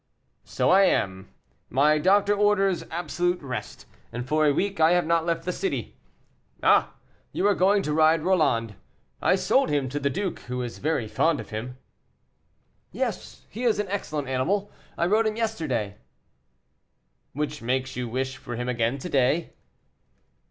"So I am; my doctor orders absolute rest, and for a week I have not left the city. Ah! you are going to ride Roland; I sold him to the duke, who is very fond of him." "Yes, he is an excellent animal; I rode him yesterday." "Which makes you wish for him again to day?"